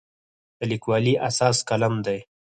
د لیکوالي اساس قلم دی.